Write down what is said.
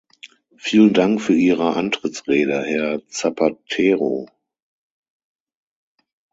Vielen Dank für Ihre Antrittsrede, Herr Zapatero.